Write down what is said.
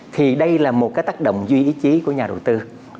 thì đây là một cái tác động duy trí của nhà đầu tư